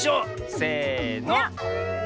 せの！